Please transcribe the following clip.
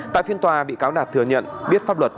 tại phiên tòa bị cáo đạt thừa nhận biết pháp luật